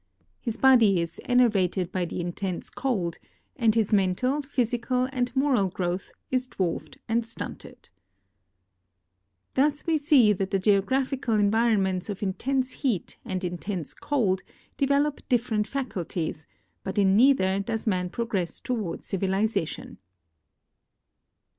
His body is enervated by the intense cold, and his mental, physical, and moral growth is dwarfed and stunted. Thus we see that the geographical environments of inten.se heat and intense cold develop different faculties, l)Ut in neither does man progress toward civilization.